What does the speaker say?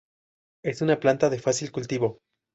Es una planta de fácil cultivo.